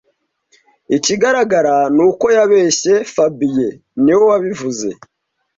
Ikigaragara ni uko yabeshye fabien niwe wabivuze